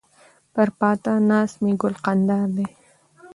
پر پاتا ناست مي ګل کندهار دی